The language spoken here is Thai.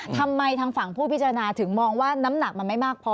ทางฝั่งผู้พิจารณาถึงมองว่าน้ำหนักมันไม่มากพอ